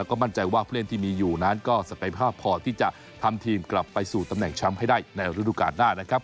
แล้วก็มั่นใจว่าผู้เล่นที่มีอยู่นั้นก็ศักยภาพพอที่จะทำทีมกลับไปสู่ตำแหน่งแชมป์ให้ได้ในฤดูการหน้านะครับ